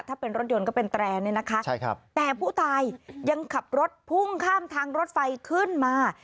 แต่ผู้ตายยังขับรถพุ่งข้ามทางรถไฟขึ้นมา